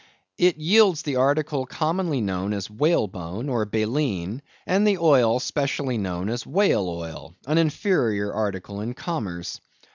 It yields the article commonly known as whalebone or baleen; and the oil specially known as "whale oil," an inferior article in commerce.